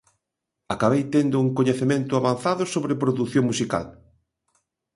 Acabei tendo un coñecemento avanzado sobre produción musical.